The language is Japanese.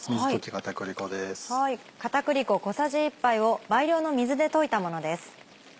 片栗粉小さじ１杯を倍量の水で溶いたものです。